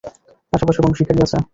আশেপাশে কোনো শিকারী আছে?